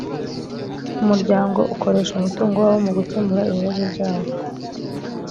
umuryango ukoresha umutungo wawo mu gukemura ibibazo byawo